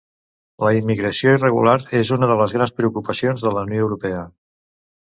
La immigració irregular és una de les grans preocupacions de la Unió Europea.